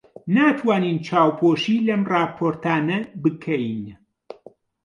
ناتوانین چاوپۆشی لەم ڕاپۆرتانە بکەین.